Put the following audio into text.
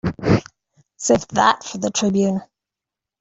Save that for the Tribune.